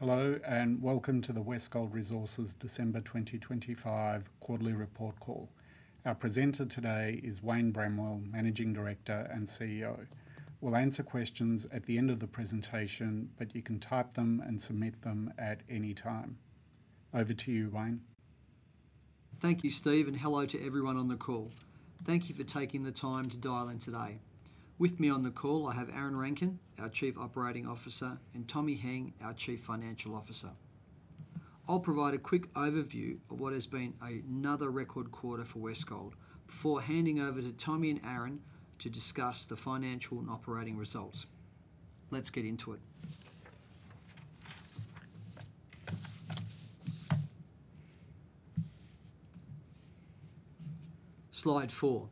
Hello, and welcome to the Westgold Resources December 2025 Quarterly Report Call. Our presenter today is Wayne Bramwell, Managing Director and CEO. We'll answer questions at the end of the presentation, but you can type them and submit them at any time. Over to you, Wayne. Thank you, Steve, and hello to everyone on the call. Thank you for taking the time to dial in today. With me on the call, I have Aaron Rankin, our Chief Operating Officer, and Tommy Heng, our Chief Financial Officer. I'll provide a quick overview of what has been another record quarter for Westgold before handing over to Tommy and Aaron to discuss the financial and operating results. Let's get into it. Slide four.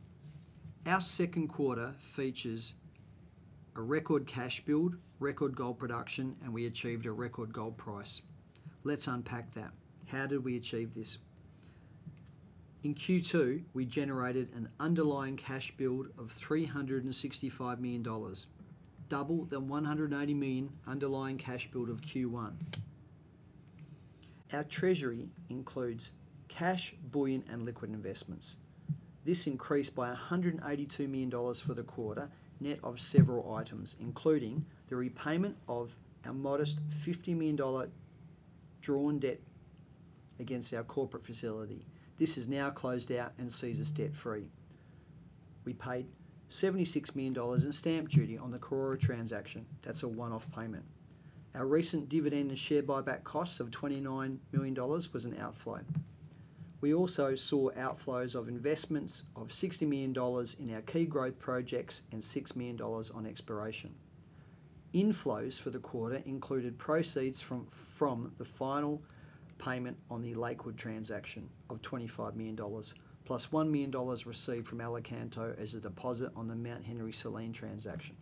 Our second quarter features a record cash build, record gold production, and we achieved a record gold price. Let's unpack that. How did we achieve this? In Q2, we generated an underlying cash build of 365 million dollars, double the 180 million underlying cash build of Q1. Our treasury includes cash, bullion, and liquid investments. This increased by 182 million dollars for the quarter, net of several items, including the repayment of a modest 50 million dollar drawn debt against our corporate facility. This is now closed out and sees us debt-free. We paid 76 million dollars in stamp duty on the Karora transaction. That's a one-off payment. Our recent dividend and share buyback costs of 29 million dollars was an outflow. We also saw outflows of investments of 60 million dollars in our key growth projects and 6 million dollars on exploration. Inflows for the quarter included proceeds from the final payment on the Lakewood transaction of 25 million dollars, plus 1 million dollars received from Alicanto as a deposit on the Mt Henry Selene transaction.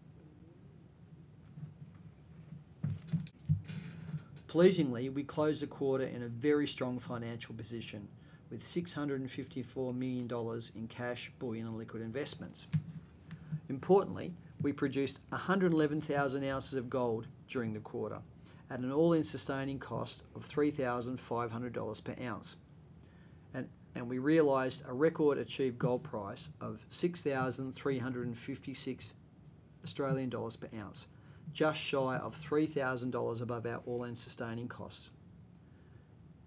Pleasingly, we closed the quarter in a very strong financial position with 654 million dollars in cash, bullion, and liquid investments. Importantly, we produced 111,000 ounces of gold during the quarter at an all-in sustaining cost of 3,500 dollars per ounce, and we realized a record achieved gold price of 6,356 Australian dollars per ounce, just shy of 3,000 dollars above our all-in sustaining costs.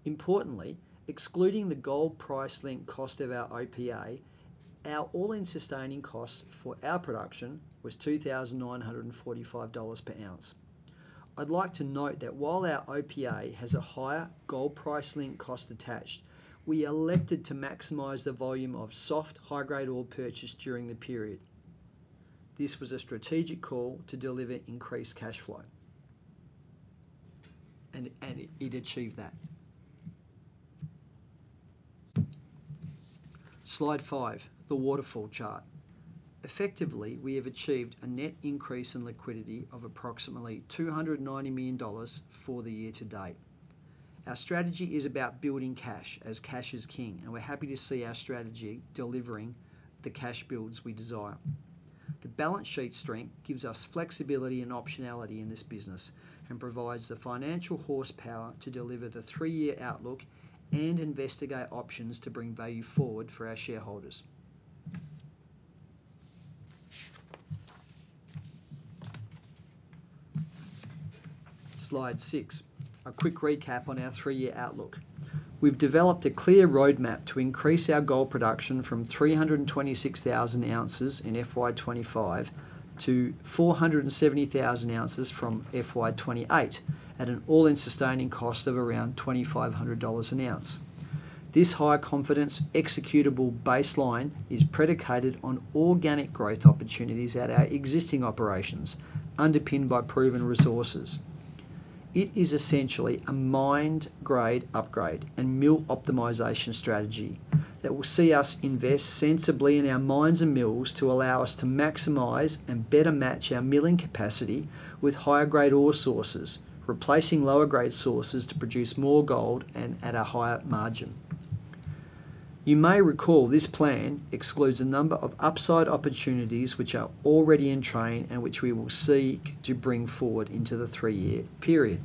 Importantly, excluding the gold price link cost of our OPA, our all-in sustaining cost for our production was 2,945 dollars per ounce. I'd like to note that while our OPA has a higher gold price link cost attached, we elected to maximize the volume of soft high-grade ore purchase during the period. This was a strategic call to deliver increased cash flow, and it achieved that. Slide five, the waterfall chart. Effectively, we have achieved a net increase in liquidity of approximately 290 million dollars for the year to date. Our strategy is about building cash as cash is king, and we're happy to see our strategy delivering the cash builds we desire. The balance sheet strength gives us flexibility and optionality in this business and provides the financial horsepower to deliver the three-year outlook and investigate options to bring value forward for our shareholders. Slide six, a quick recap on our three-year outlook. We've developed a clear roadmap to increase our gold production from 326,000 ounces in FY25 to 470,000 ounces from FY28 at an all-in sustaining cost of around 2,500 dollars an ounce. This high confidence executable baseline is predicated on organic growth opportunities at our existing operations underpinned by proven resources. It is essentially a mine-grade upgrade and mill optimization strategy that will see us invest sensibly in our mines and mills to allow us to maximize and better match our milling capacity with higher-grade ore sources, replacing lower-grade sources to produce more gold and at a higher margin. You may recall this plan excludes a number of upside opportunities which are already in train and which we will seek to bring forward into the three-year period.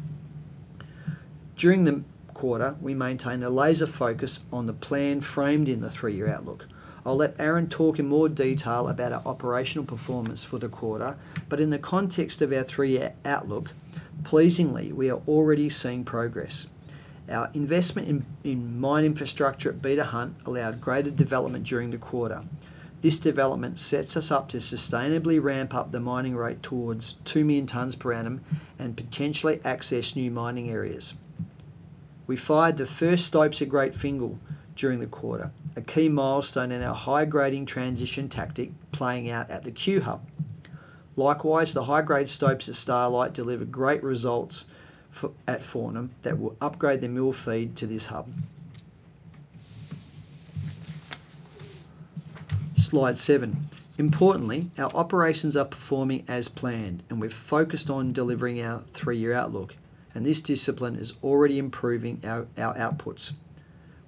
During the quarter, we maintained a laser focus on the plan framed in the three-year outlook. I'll let Aaron talk in more detail about our operational performance for the quarter, but in the context of our three-year outlook, pleasingly, we are already seeing progress. Our investment in mine infrastructure at Beta Hunt allowed greater development during the quarter. This development sets us up to sustainably ramp up the mining rate towards 2 million tons per annum and potentially access new mining areas. We fired the first stope of Great Fingall during the quarter, a key milestone in our high-grading transition tactic playing out at the Cue hub. Likewise, the high-grade stope of Starlight delivered great results at Fortnum that will upgrade the mill feed to this hub. Slide seven. Importantly, our operations are performing as planned, and we've focused on delivering our three-year outlook, and this discipline is already improving our outputs.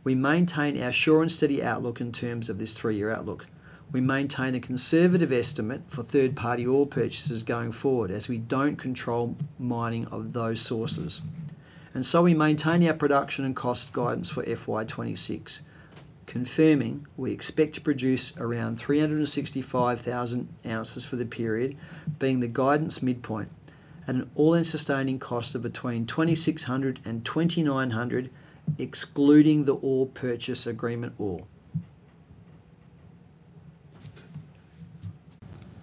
We maintain our sure and steady outlook in terms of this three-year outlook. We maintain a conservative estimate for third-party ore purchases going forward as we don't control mining of those ores. And so we maintain our production and cost guidance for FY26, confirming we expect to produce around 365,000 ounces for the period, being the guidance midpoint, and an All-in Sustaining Cost of between A$2,600 and A$2,900 excluding the Ore Purchase Agreement ore.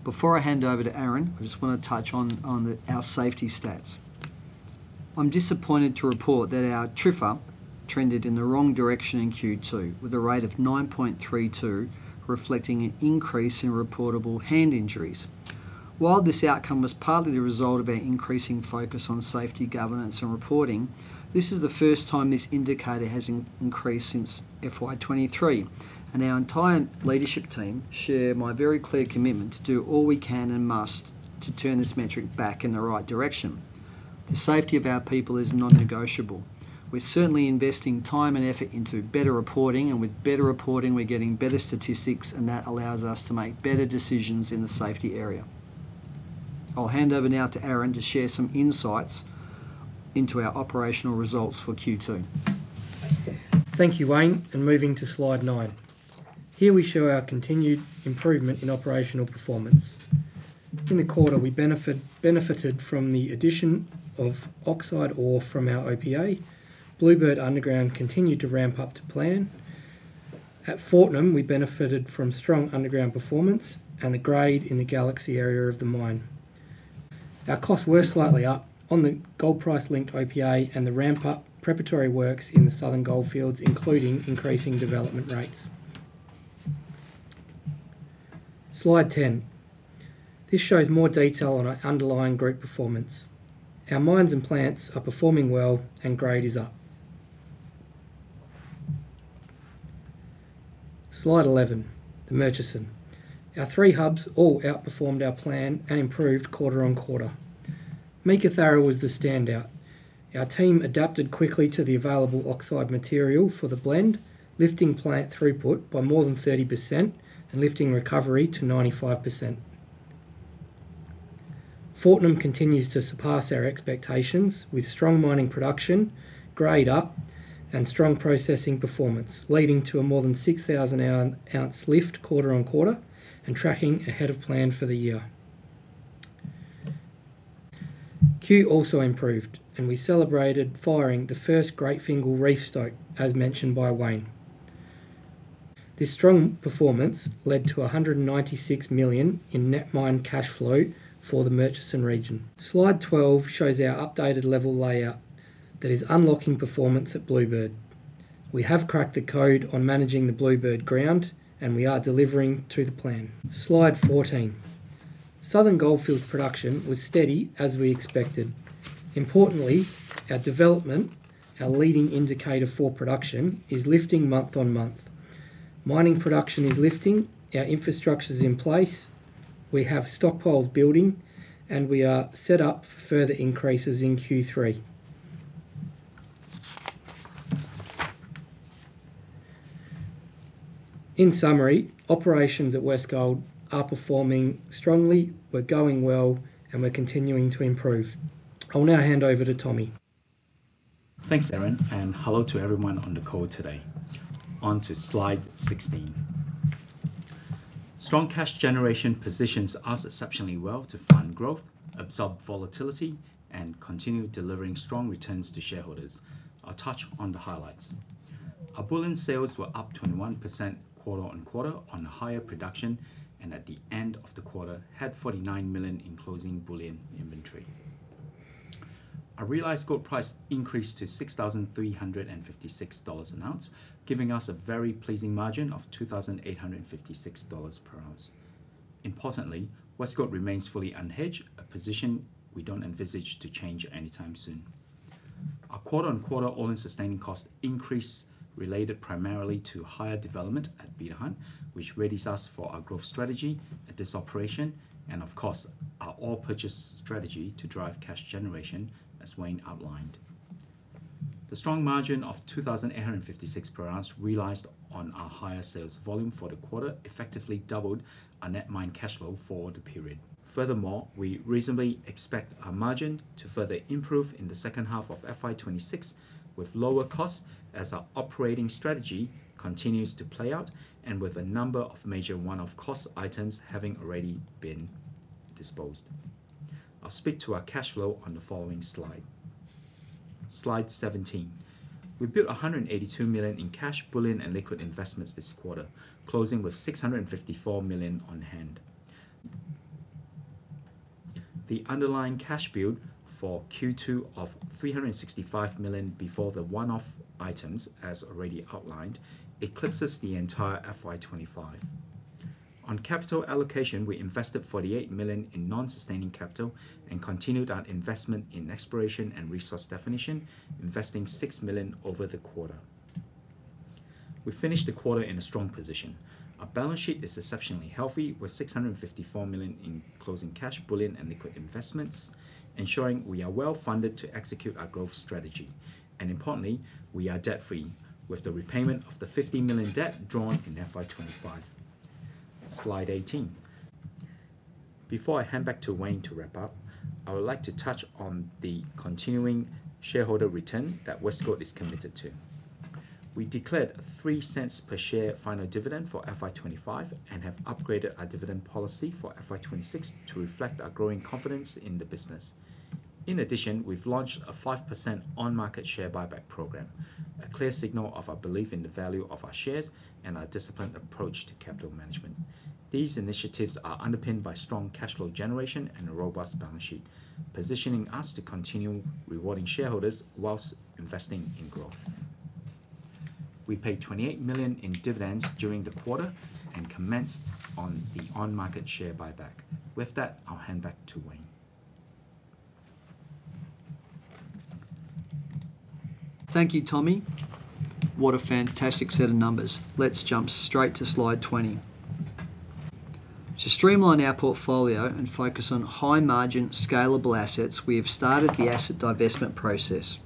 Before I hand over to Aaron, I just want to touch on our safety stats. I'm disappointed to report that our TRIFR trended in the wrong direction in Q2, with a rate of 9.32 reflecting an increase in reportable hand injuries. While this outcome was partly the result of our increasing focus on safety governance and reporting, this is the first time this indicator has increased since FY23, and our entire leadership team share my very clear commitment to do all we can and must to turn this metric back in the right direction. The safety of our people is non-negotiable. We're certainly investing time and effort into better reporting, and with better reporting, we're getting better statistics, and that allows us to make better decisions in the safety area. I'll hand over now to Aaron to share some insights into our operational results for Q2. Thank you, Wayne, and moving to slide nine. Here we show our continued improvement in operational performance. In the quarter, we benefited from the addition of oxide ore from our OPA. Bluebird underground continued to ramp up to plan. At Fortnum, we benefited from strong underground performance and the grade in the Galaxy area of the mine. Our costs were slightly up on the gold price linked OPA and the ramp-up preparatory works in the Southern Goldfields, including increasing development rates. Slide 10. This shows more detail on our underlying group performance. Our mines and plants are performing well, and grade is up. Slide 11, the Murchison. Our three hubs all outperformed our plan and improved quarter on quarter. Meekatharra was the standout. Our team adapted quickly to the available oxide material for the blend, lifting plant throughput by more than 30% and lifting recovery to 95%. Fortnum continues to surpass our expectations with strong mining production, grade up, and strong processing performance, leading to a more than 6,000 ounce lift quarter on quarter and tracking ahead of plan for the year. Cue also improved, and we celebrated firing the first Great Fingall Reef stope, as mentioned by Wayne. This strong performance led to 196 million in net mine cash flow for the Murchison region. Slide 12 shows our updated level layout that is unlocking performance at Bluebird. We have cracked the code on managing the Bluebird ground, and we are delivering to the plan. Slide 14. Southern Goldfields production was steady as we expected. Importantly, our development, our leading indicator for production, is lifting month on month. Mining production is lifting, our infrastructure is in place, we have stockpiles building, and we are set up for further increases in Q3. In summary, operations at Westgold are performing strongly, we're going well, and we're continuing to improve. I'll now hand over to Tommy. Thanks, Aaron, and hello to everyone on the call today. On to slide 16. Strong cash generation positions us exceptionally well to fund growth, absorb volatility, and continue delivering strong returns to shareholders. I'll touch on the highlights. Our bullion sales were up 21% quarter on quarter on a higher production, and at the end of the quarter, had 49 million in closing bullion inventory. Our realized gold price increased to 6,356 dollars an ounce, giving us a very pleasing margin of 2,856 dollars per ounce. Importantly, Westgold remains fully unhedged, a position we don't envisage to change anytime soon. Our quarter on quarter all-in sustaining cost increase related primarily to higher development at Beta Hunt, which readies us for our growth strategy at this operation, and of course, our ore purchase strategy to drive cash generation, as Wayne outlined. The strong margin of 2,856 per ounce realized on our higher sales volume for the quarter effectively doubled our net mine cash flow for the period. Furthermore, we reasonably expect our margin to further improve in the second half of FY26 with lower costs as our operating strategy continues to play out and with a number of major one-off cost items having already been disposed. I'll speak to our cash flow on the following slide. Slide 17. We built 182 million in cash, bullion, and liquid investments this quarter, closing with 654 million on hand. The underlying cash build for Q2 of 365 million before the one-off items, as already outlined, eclipses the entire FY25. On capital allocation, we invested 48 million in non-sustaining capital and continued our investment in exploration and resource definition, investing 6 million over the quarter. We finished the quarter in a strong position. Our balance sheet is exceptionally healthy with 654 million in closing cash, bullion, and liquid investments, ensuring we are well funded to execute our growth strategy. And importantly, we are debt-free with the repayment of the 50 million debt drawn in FY25. Slide 18. Before I hand back to Wayne to wrap up, I would like to touch on the continuing shareholder return that Westgold is committed to. We declared an 0.03 per share final dividend for FY25 and have upgraded our dividend policy for FY26 to reflect our growing confidence in the business. In addition, we've launched a 5% on-market share buyback program, a clear signal of our belief in the value of our shares and our disciplined approach to capital management. These initiatives are underpinned by strong cash flow generation and a robust balance sheet, positioning us to continue rewarding shareholders while investing in growth. We paid 28 million in dividends during the quarter and commenced on the on-market share buyback. With that, I'll hand back to Wayne. Thank you, Tommy. What a fantastic set of numbers. Let's jump straight to slide 20. To streamline our portfolio and focus on high-margin scalable assets, we have started the asset divestment process.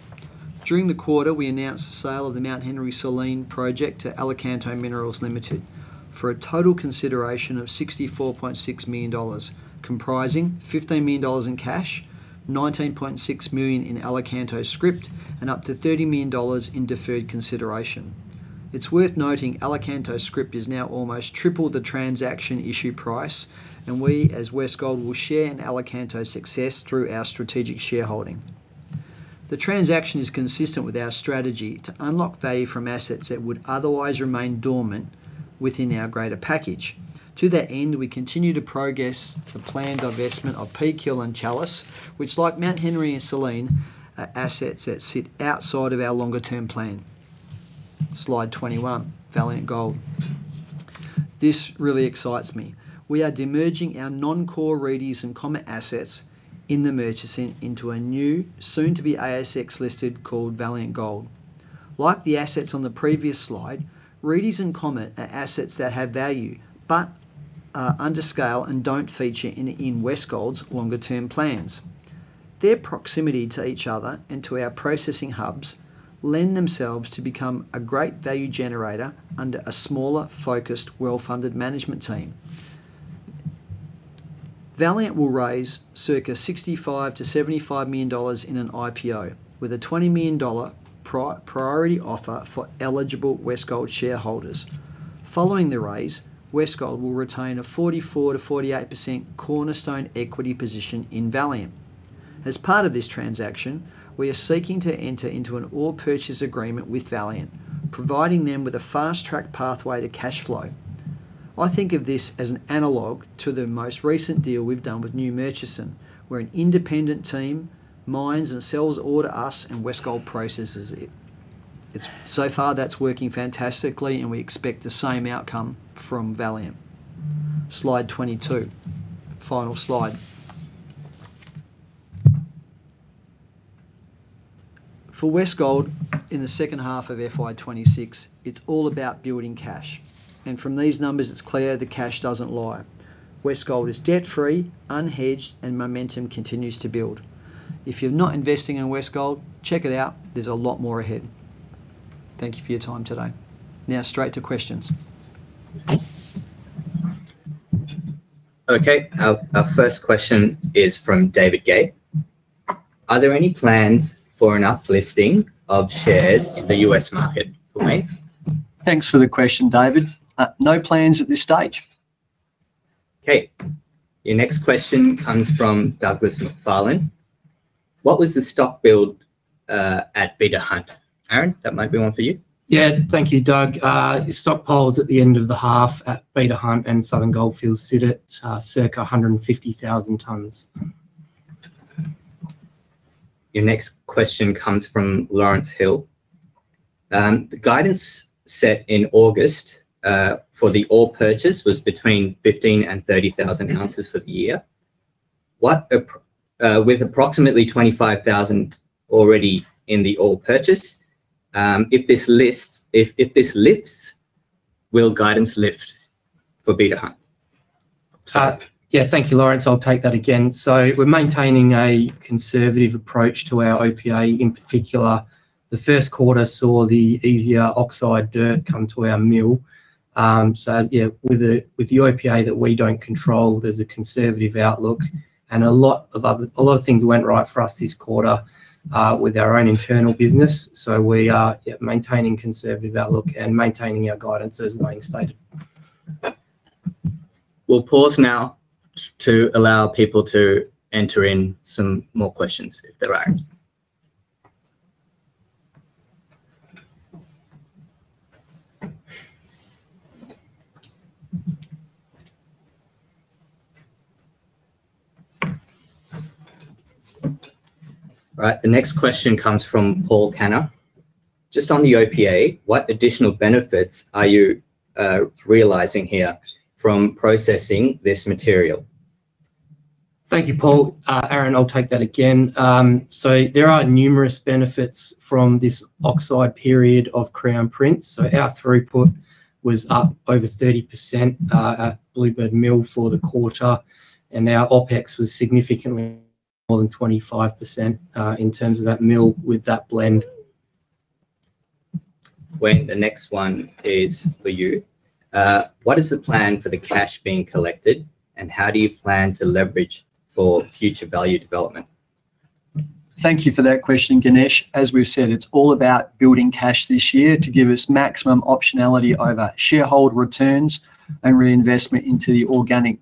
During the quarter, we announced the sale of the Mt Henry and Selene project to Alicanto Minerals Limited for a total consideration of 64.6 million dollars, comprising 15 million dollars in cash, 19.6 million in Alicanto scrip, and up to 30 million dollars in deferred consideration. It's worth noting Alicanto scrip is now almost triple the transaction issue price, and we as Westgold will share in Alicanto's success through our strategic shareholding. The transaction is consistent with our strategy to unlock value from assets that would otherwise remain dormant within our greater package. To that end, we continue to progress the planned divestment of Peak Hill and Chalice, which, like Mt Henry and Selene, are assets that sit outside of our longer-term plan. Slide 21, Valiant Gold. This really excites me. We are demerging our non-core Reedys and Comet assets in the Murchison into a new, soon-to-be ASX-listed called Valiant Gold. Like the assets on the previous slide, Reedys and Comet are assets that have value but are under scale and don't feature in Westgold's longer-term plans. Their proximity to each other and to our processing hubs lend themselves to become a great value generator under a smaller, focused, well-funded management team. Valiant will raise circa AUD 65-$75 million in an IPO with a 20 million dollar priority offer for eligible Westgold shareholders. Following the raise, Westgold will retain a 44%-48% cornerstone equity position in Valiant. As part of this transaction, we are seeking to enter into an ore purchase agreement with Valiant, providing them with a fast-track pathway to cash flow. I think of this as an analogue to the most recent deal we've done with New Murchison, where an independent team mines and sells all to us, and Westgold processes it. So far, that's working fantastically, and we expect the same outcome from Valiant. Slide 22, final slide. For Westgold, in the second half of FY26, it's all about building cash, and from these numbers, it's clear the cash doesn't lie. Westgold is debt-free, unhedged, and momentum continues to build. If you're not investing in Westgold, check it out. There's a lot more ahead. Thank you for your time today. Now, straight to questions. Okay. Our first question is from David Gay. Are there any plans for an uplisting of shares in the U.S. market for Wayne? Thanks for the question, David. No plans at this stage. Okay. Your next question comes from Douglas McFarland. What was the stock build at Beta Hunt? Aaron, that might be one for you. Yeah. Thank you, Doug. Stockpiles at the end of the half at Beta Hunt and Southern Goldfields sit at circa 150,000 tons. Your next question comes from Lawrence Hill. The guidance set in August for the ore purchase was between 15,000 and 30,000 ounces for the year, with approximately 25,000 already in the ore purchase. If this lifts, will guidance lift for Beta Hunt? Yeah. Thank you, Lawrence. I'll take that again. So we're maintaining a conservative approach to our OPA. In particular, the first quarter saw the easier oxide ore come to our mill. So with the OPA that we don't control, there's a conservative outlook. And a lot of things went right for us this quarter with our own internal business. So we are maintaining a conservative outlook and maintaining our guidance, as Wayne stated. We'll pause now to allow people to enter in some more questions if there are. Right. The next question comes from Paul Kaner. Just on the OPA, what additional benefits are you realizing here from processing this material? Thank you, Paul. Aaron, I'll take that again. So there are numerous benefits from this oxide ore from Crown Prince. So our throughput was up over 30% at Bluebird Mill for the quarter, and our OPEX was significantly more than 25% in terms of that mill with that blend. Wayne, the next one is for you. What is the plan for the cash being collected, and how do you plan to leverage for future value development? Thank you for that question, Ganesh. As we've said, it's all about building cash this year to give us maximum optionality over shareholder returns and reinvestment into the organic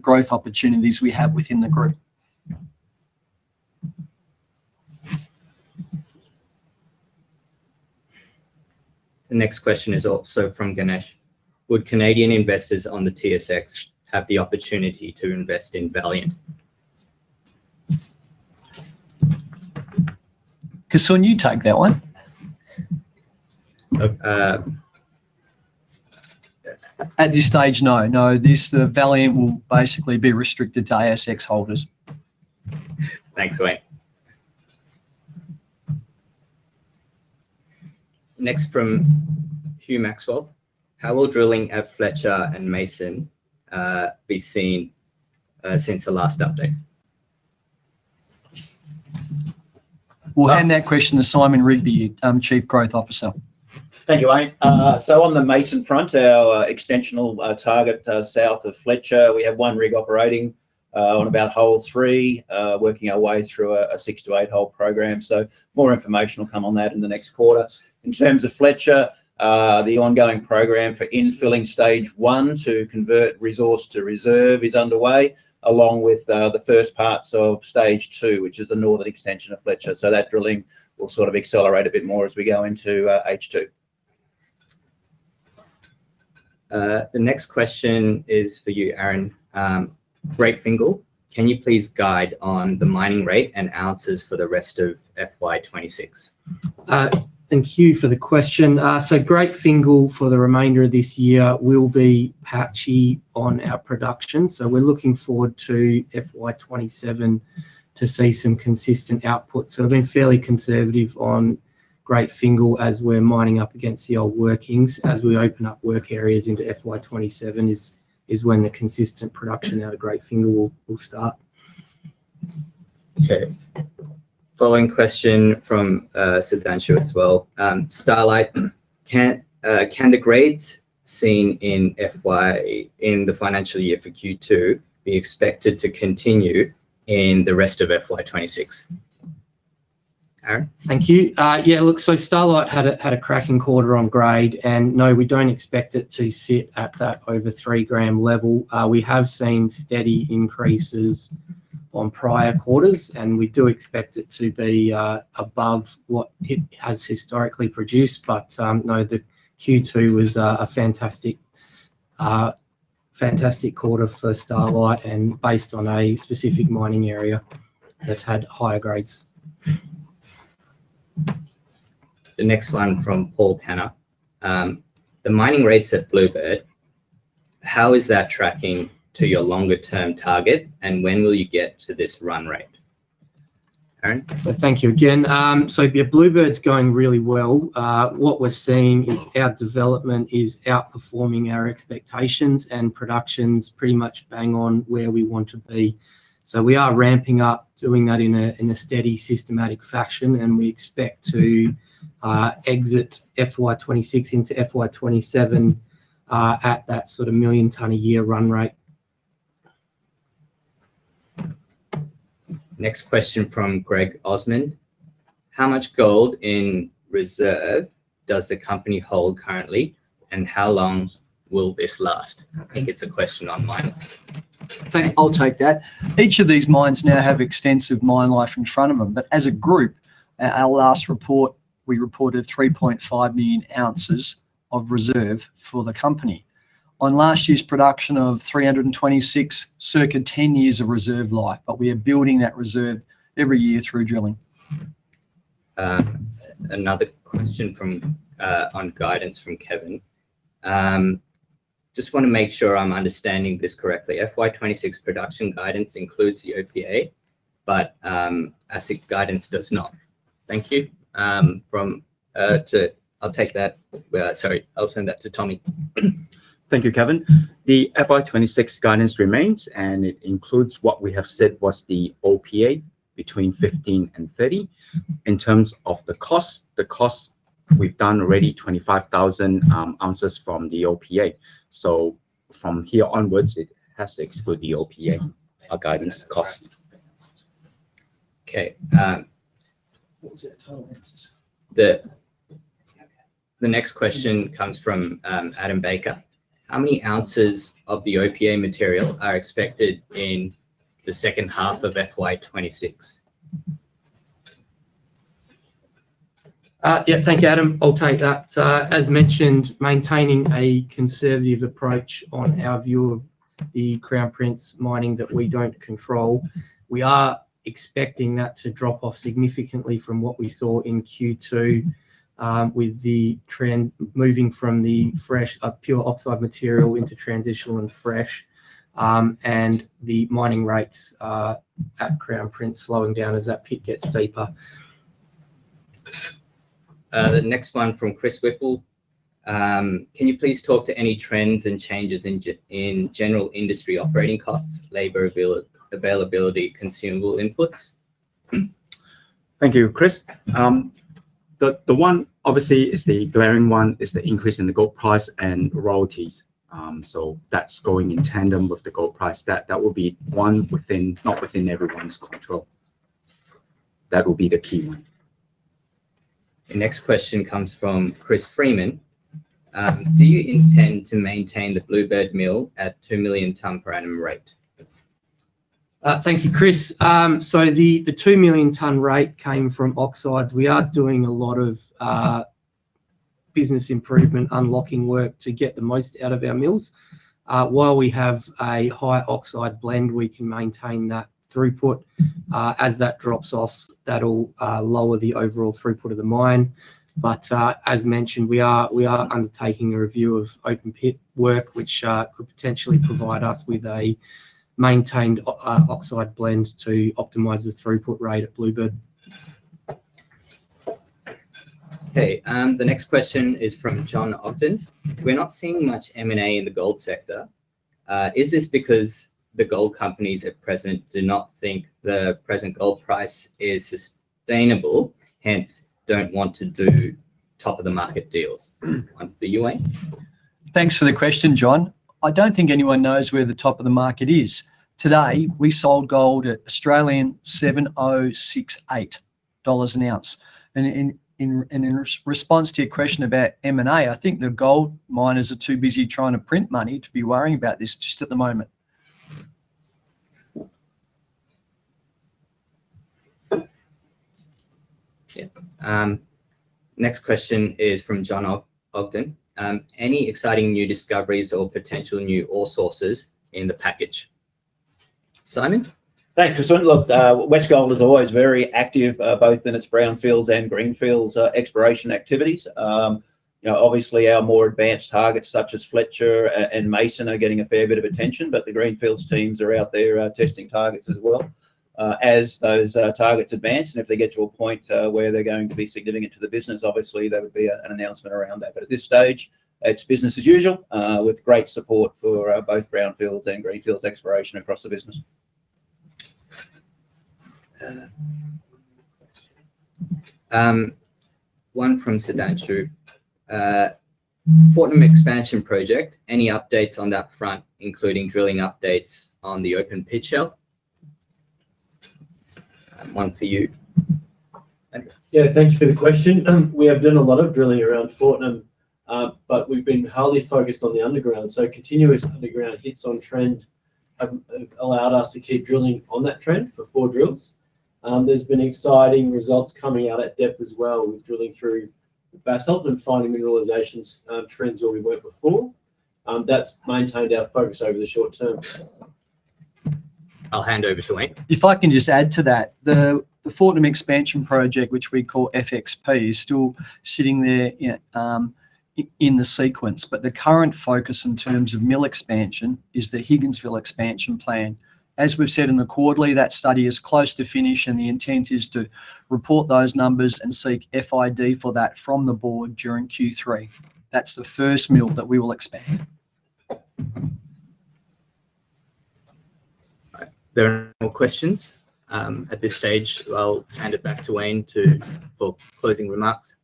growth opportunities we have within the group. The next question is also from Ganesh. Would Canadian investors on the TSX have the opportunity to invest in Valiant? Kasun, you take that one. At this stage, no. No, the Valiant will basically be restricted to ASX holders. Thanks, Wayne. Next from Hugh Maxwell. How will drilling at Fletcher and Mason be seen since the last update? We'll hand that question to Simon Rigby, Chief Growth Officer. Thank you, Wayne. So on the Mason front, our extensional target south of Fletcher, we have one rig operating on about hole three, working our way through a six-to-eight-hole program. So more information will come on that in the next quarter. In terms of Fletcher, the ongoing program for infilling stage one to convert resource to reserve is underway, along with the first parts of stage two, which is the northern extension of Fletcher. So that drilling will sort of accelerate a bit more as we go into H2. The next question is for you, Aaron. Great Fingall, can you please guide on the mining rate and ounces for the rest of FY26? Thank you for the question. So Great Fingall, for the remainder of this year, will be patchy on our production. So we're looking forward to FY27 to see some consistent output. So we've been fairly conservative on Great Fingall as we're mining up against the old workings. As we open up work areas into FY27 is when the consistent production out of Great Fingall will start. Okay. Following question from Sudhanshu as well. Starlight, can the grades seen in the financial year for Q2 be expected to continue in the rest of FY26? Aaron? Thank you. Yeah. Look, so Starlight had a cracking quarter on grade, and no, we don't expect it to sit at that over three-gram level. We have seen steady increases on prior quarters, and we do expect it to be above what it has historically produced. But no, the Q2 was a fantastic quarter for Starlight, and based on a specific mining area that had higher grades. The next one from Paul Kaner. The mining rates at Bluebird, how is that tracking to your longer-term target, and when will you get to this run rate? Aaron? So thank you again. So yeah, Bluebird's going really well. What we're seeing is our development is outperforming our expectations, and production's pretty much bang on where we want to be. So we are ramping up, doing that in a steady, systematic fashion, and we expect to exit FY26 into FY27 at that sort of million-ton-a-year run rate. Next question from Greg Osmond. How much gold in reserve does the company hold currently, and how long will this last? I think it's a question on mining. I'll take that. Each of these mines now have extensive mine life in front of them. But as a group, our last report, we reported 3.5 million ounces of reserve for the company on last year's production of 326, circa 10 years of reserve life. But we are building that reserve every year through drilling. Another question on guidance from Kevin. Just want to make sure I'm understanding this correctly. FY26 production guidance includes the OPA, but AISC guidance does not. Thank you. I'll take that. Sorry. I'll send that to Tommy. Thank you, Kevin. The FY26 guidance remains, and it includes what we have said was the OPA between 15 and 30. In terms of the cost, the cost we've done already, 25,000 ounces from the OPA. So from here onwards, it has to exclude the OPA, our guidance cost. Okay. What was it? The next question comes from Adam Baker. How many ounces of the OPA material are expected in the second half of FY26? Yeah. Thank you, Adam. I'll take that. As mentioned, maintaining a conservative approach on our view of the Crown Prince mining that we don't control. We are expecting that to drop off significantly from what we saw in Q2 with the trend moving from the pure oxide material into transitional and fresh, and the mining rates at Crown Prince slowing down as that pit gets deeper. The next one from Chris Whipple, can you please talk to any trends and changes in general industry operating costs, labor availability, consumable inputs? Thank you, Chris. The one, obviously, is the glaring one: the increase in the gold price and royalties. So that's going in tandem with the gold price. That will be one not within everyone's control. That will be the key one. The next question comes from Chris Freeman. Do you intend to maintain the Bluebird Mill at two million ton per annum rate? Thank you, Chris. So the two million ton rate came from oxide. We are doing a lot of business improvement, unlocking work to get the most out of our mills. While we have a high oxide blend, we can maintain that throughput. As that drops off, that'll lower the overall throughput of the mine. But as mentioned, we are undertaking a review of open pit work, which could potentially provide us with a maintained oxide blend to optimize the throughput rate at Bluebird. Okay. The next question is from John Ogden. We're not seeing much M&A in the gold sector. Is this because the gold companies at present do not think the present gold price is sustainable, hence don't want to do top-of-the-market deals under the UA? Thanks for the question, John. I don't think anyone knows where the top-of-the-market is. Today, we sold gold at 7,068 Australian dollars an ounce, and in response to your question about M&A, I think the gold miners are too busy trying to print money to be worrying about this just at the moment. Next question is from John Ogden. Any exciting new discoveries or potential new ore sources in the package? Simon? Thanks, Kasun. Look, Westgold is always very active, both in its brownfields and greenfields exploration activities. Obviously, our more advanced targets, such as Fletcher and Mason, are getting a fair bit of attention, but the greenfields teams are out there testing targets as well. As those targets advance, and if they get to a point where they're going to be significant to the business, obviously, there would be an announcement around that. But at this stage, it's business as usual with great support for both brownfields and greenfields exploration across the business. One from Sudhanshu. Fortnum Expansion Project, any updates on that front, including drilling updates on the open pit shelf? Wayne for you. Yeah. Thank you for the question. We have done a lot of drilling around Fortnum, but we've been highly focused on the underground so continuous underground hits on trend have allowed us to keep drilling on that trend for four drills. There's been exciting results coming out at depth as well with drilling through basalt and finding mineralization trends where we went before. That's maintained our focus over the short term. I'll hand over to Wayne. If I can just add to that, the Fortnum Expansion Project, which we call FXP, is still sitting there in the sequence. But the current focus in terms of mill expansion is the Higginsville expansion plan. As we've said in the quarterly, that study is close to finish, and the intent is to report those numbers and seek FID for that from the board during Q3. That's the first mill that we will expand. There are no more questions at this stage. I'll hand it back to Wayne for closing remarks.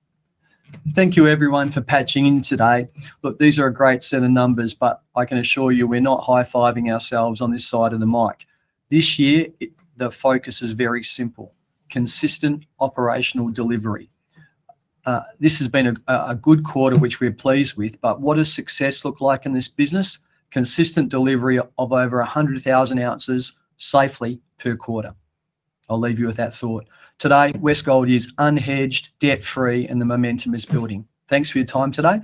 Thank you, everyone, for patching in today. Look, these are a great set of numbers, but I can assure you we're not high-fiving ourselves on this side of the mic. This year, the focus is very simple: consistent operational delivery. This has been a good quarter, which we're pleased with. But what does success look like in this business? Consistent delivery of over 100,000 ounces safely per quarter. I'll leave you with that thought. Today, Westgold is unhedged, debt-free, and the momentum is building. Thanks for your time today.